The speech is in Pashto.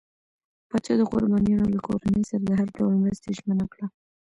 پاچا د قربانيانو له کورنۍ سره د هر ډول مرستې ژمنه کړه.